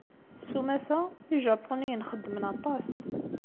S umata, Ijapuniyen xeddmen aṭas.